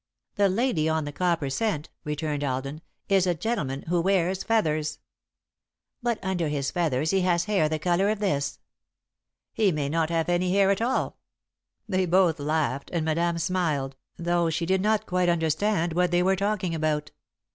"The lady on the copper cent," returned Alden, "is a gentleman who wears feathers." "But under his feathers he has hair the colour of this." "He may not have any hair at all." [Sidenote: What's the Matter with Her?] They both laughed, and Madame smiled, though she did not quite understand what they were talking about.